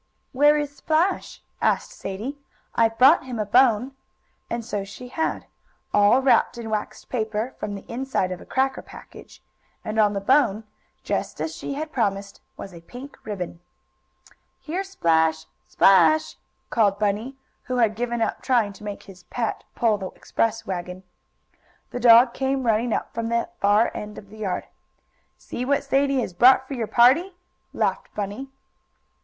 "Where is Splash?" asked Sadie. "I've brought him a bone," and so she had, all wrapped in waxed paper from the inside of a cracker package, and on the bone, just as she had promised, was a pink ribbon. "Here, Splash! Splash!" called Bunny, who had given up trying to make his pet pull the express wagon. The dog came running up from the far end of the yard. "See what Sadie has brought for your party!" laughed Bunny.